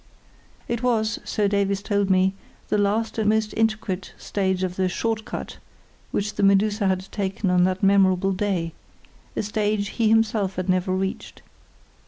It was, so Davies told me, the last and most intricate stage of the "short cut" which the Medusa had taken on that memorable day—a stage he himself had never reached.